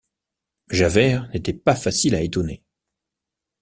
Javert n’était pas facile à étonner.